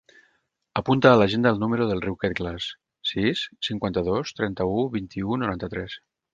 Apunta a l'agenda el número del Riu Quetglas: sis, cinquanta-dos, trenta-u, vint-i-u, noranta-tres.